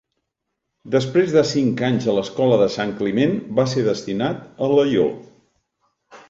Després de cinc anys a l'escola de Sant Climent va ser destinat a Alaior.